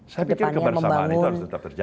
saya pikir kebersamaan itu harus tetap terjaga